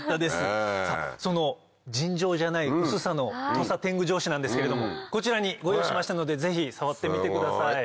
その尋常じゃない薄さの土佐典具帖紙なんですけれどもこちらにご用意しましたのでぜひ触ってみてください。